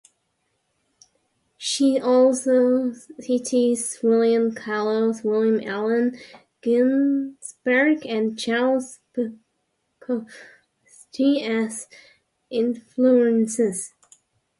She also cites William Carlos Williams, Allen Ginsberg and Charles Bukowski as influences.